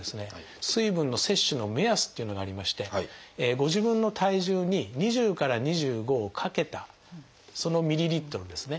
水分の摂取の目安っていうのがありましてご自分の体重に２０から２５を掛けたそのミリリットルですね。